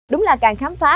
đúng là càng khám phá